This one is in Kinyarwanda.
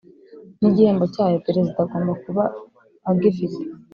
n igihembo cyayo Perezida agomba kuba agifite